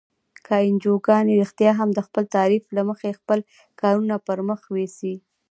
که انجوګانې رښتیا هم د خپل تعریف له مخې خپل کارونه پرمخ یوسي.